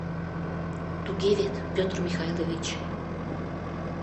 Туге вет, Петр Михайлович?